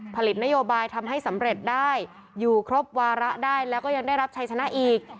ผลิตนโยบายทำให้สำเร็จได้อยู่ครบวาระได้แล้วก็ยังได้รับชัยชนะอีก